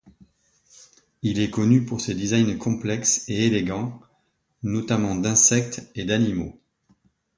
Il est connu pour ses designs complexes et élégants, notamment d'insectes et d'animaux.